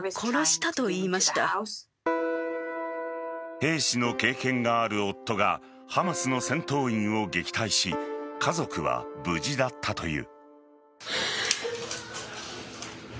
兵士の経験がある夫がハマスの戦闘員を撃退し家族は無事だったという。